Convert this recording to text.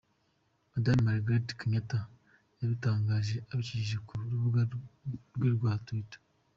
Madame Margaret Kenyatta yabitangaje abicishije ku rubuga rwe rwa Twitter.